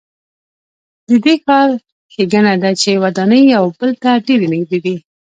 د دې ښار ښېګڼه ده چې ودانۍ یو بل ته ډېرې نږدې دي.